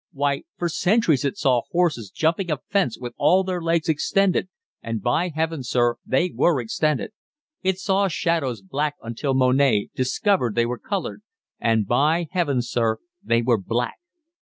Why, for centuries it saw horses jumping a fence with all their legs extended, and by Heaven, sir, they were extended. It saw shadows black until Monet discovered they were coloured, and by Heaven, sir, they were black.